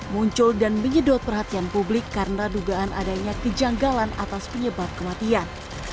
muncul dan menyedot perhatian publik karena dugaan adanya kejanggalan atas penyebab kematian